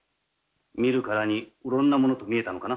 見るからにうろんな者と見えたのかな。